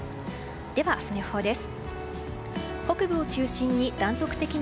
では、明日の予報です。